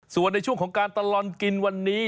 ส่วนในช่วงของการตลอดกินวันนี้